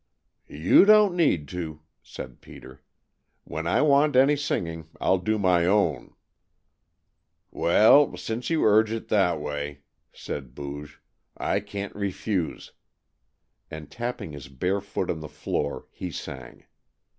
"You don't need to," said Peter. "When I want any singing, I'll do my own." [Illus: 154] "Well, since you urge it that way," said Booge, "I can't refuse," and tapping his bare foot on the floor he sang.